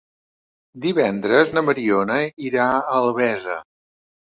Divendres na Mariona irà a Albesa.